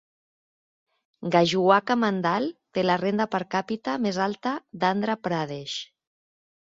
Gajuwaka Mandal té la renda per càpita més alta d'Andhra Pradesh.